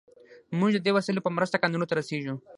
موږ د دې وسایلو په مرسته کانونو ته رسیږو.